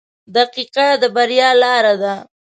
• دقیقه د بریا لار ده.